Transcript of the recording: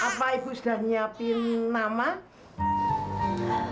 apa ibu sudah nyiapin nama